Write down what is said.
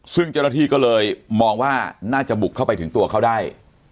ซึ่งเจ้าหน้าที่ก็เลยมองว่าน่าจะบุกเข้าไปถึงตัวเขาได้